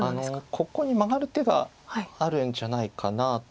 ここにマガる手があるんじゃないかなと思うんですが。